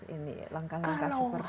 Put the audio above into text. ini langkah langkah seperti